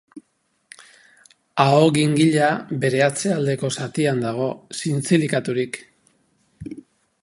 Aho-gingila bere atzealdeko zatian dago, zintzilikaturik.